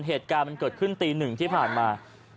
เหตุการณ์มันเกิดขึ้นตีหนึ่งที่ผ่านมา